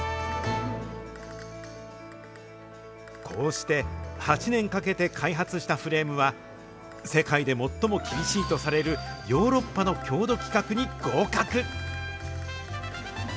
こうして８年かけて開発したフレームは、世界で最も厳しいとされるヨーロッパの強度規格に合格。